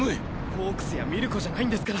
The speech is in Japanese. ホークスやミルコじゃないんですから！